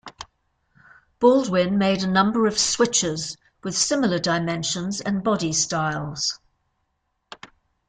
Baldwin made a number of switchers with similar dimensions and body styles.